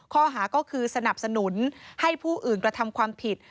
ข้อหาก็คือสนับสนุนให้ผู้อื่นกระทำความผิด